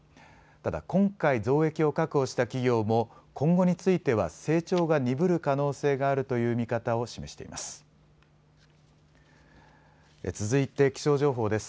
ただ今回増益を確保した企業も今後については成長が鈍る可能性があるという見方を示しています。